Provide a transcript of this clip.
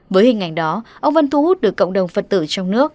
với hình ảnh đó ông vân thu hút được cộng đồng phật tử trong nước